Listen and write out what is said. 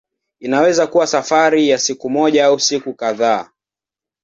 Inaweza kuwa safari ya siku moja au siku kadhaa.